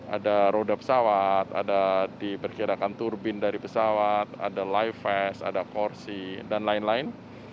ada roda pesawat ada diperkirakan turbin dari pesawat ada life vest ada korsi dan lain lain